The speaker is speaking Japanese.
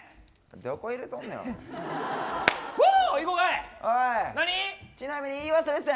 どこ入とんねん。